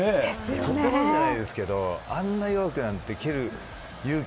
とてもじゃないですけどあんな弱くなんて蹴る勇気